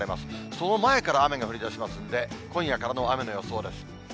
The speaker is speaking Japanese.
その前から雨が降りだしますんで、今夜からの雨の予想です。